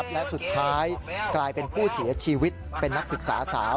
และสุดท้ายกลายเป็นผู้เสียชีวิตเป็นนักศึกษาสาว